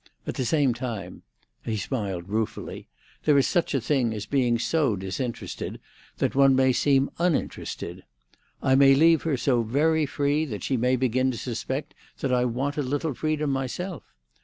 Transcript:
At the same time"—he smiled ruefully—"there is such a thing as being so disinterested that one may seem uninterested. I may leave her so very free that she may begin to suspect that I want a little freedom myself.